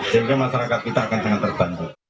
sehingga masyarakat kita akan sangat terbantu